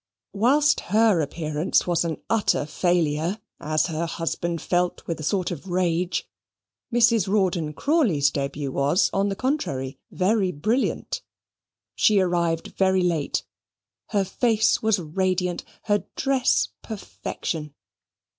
Whilst her appearance was an utter failure (as her husband felt with a sort of rage), Mrs. Rawdon Crawley's debut was, on the contrary, very brilliant. She arrived very late. Her face was radiant; her dress perfection.